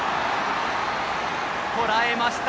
とらえました